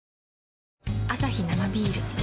アサヒ生ビール